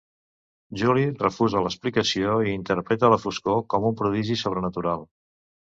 Juli refusa l'explicació i interpreta la foscor, com un prodigi sobrenatural.